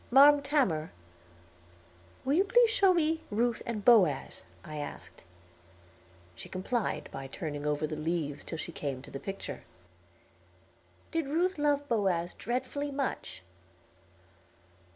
"Marm Tamor, will you please show me Ruth and Boaz?" I asked. She complied by turning over the leaves till she came to the picture. "Did Ruth love Boaz dreadfully much?"